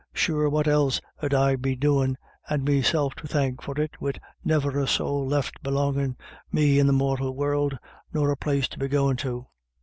Sure what else 'ud I be doin', and meself to thank for it, wid never a sowl left belongin' me in the mortial world, nor a place to be goin' to?